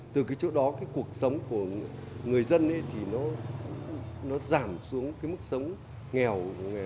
từ cái chỗ đó cái cuộc sống của người dân thì nó giảm xuống cái mức sống nghèo